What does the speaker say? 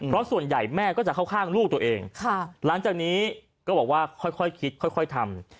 เพราะส่วนใหญ่แม่ก็จะเข้าข้างลูกตัวเองหลังจากนี้ก็บอกว่าค่อยคิดค่อยทำ